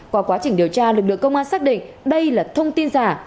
qua quá trình điều tra lực lượng công an xác định đây là thông tin giả